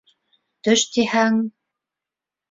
Төш тиһәң...